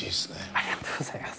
ありがとうございます。